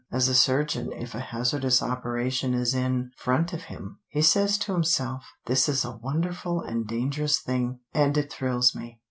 As a surgeon if a hazardous operation is in front of him, he says to himself, 'This is a wonderful and dangerous thing, and it thrills me.'